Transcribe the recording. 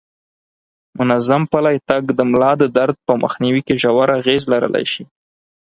منظم پلی تګ د ملا د درد په مخنیوي کې ژور اغیز لرلی شي.